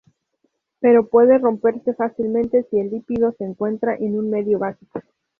Pero puede romperse fácilmente si el lípido se encuentra en un medio básico.